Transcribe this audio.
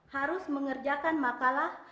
harus mengerjakan makalah